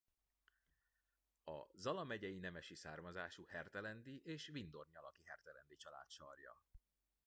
A Zala megyei nemesi származású hertelendi és vindornyalaki Hertelendy család sarja.